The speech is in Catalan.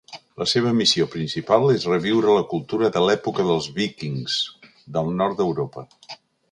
La seva missió principal és reviure la cultura de l'"època dels víkings" del nord d'Europa.